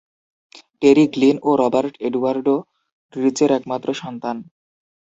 টেরি Glynn ও Robert Eduardo রিচের একমাত্র সন্তান।